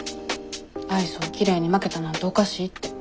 アイスをきれいに巻けたなんておかしいって。